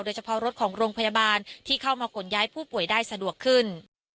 โดยเฉพาะรถของโรงพยาบาลที่เข้ามาขนย้ายผู้ป่วยได้สะดวกขึ้น